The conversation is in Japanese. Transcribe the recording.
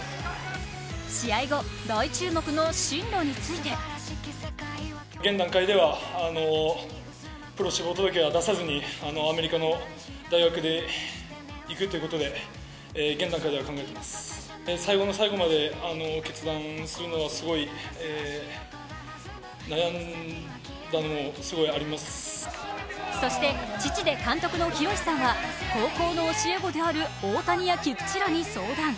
試合後、大注目の進路についてそして父で監督の洋さんは高校の教え子である大谷や菊地らに相談。